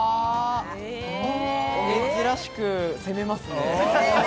珍しく攻めますね。